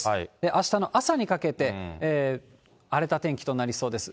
あしたの朝にかけて、荒れた天気となりそうです。